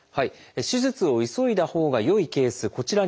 手術を急いだほうがよいケースこちらにまとめました。